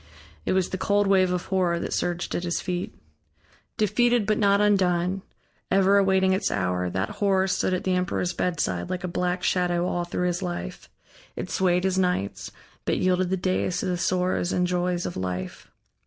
It was the cold wave of Horror that surged at his feet. Defeated, but not undone, ever awaiting its hour, that Horror stood at the emperor's bedside, like a black shadow all through his life; it swayed his nights, but yielded the days to the sorrows and joys of life.